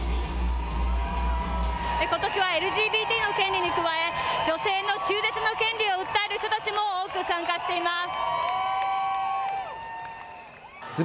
ことしはＬＧＢＴの権利に加え女性の中絶の権利を訴える人たちも多く参加しています。